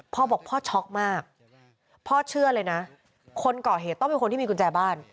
พ่อบอกพ่อช็อกมากพ่อเชื่อเลยนะคนก่อเหตุต้องเป็นคนที่มีกุญแจบ้าน